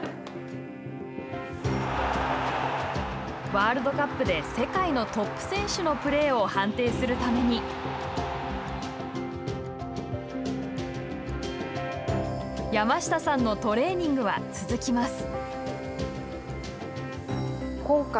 ワールドカップで世界のトップ選手のプレーを判定するために山下さんのトレーニングは続きます。